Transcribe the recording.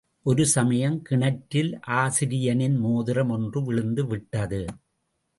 ஒரு சமயம் கிணற்றில் ஆசிரியனின் மோதிரம் ஒன்று விழுந்து விட்டது.